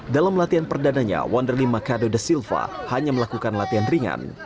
dalam latihan perdananya wanderly machado da silva hanya melakukan latihan ringan